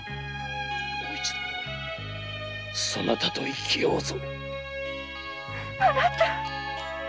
もう一度そなたと生きようぞ。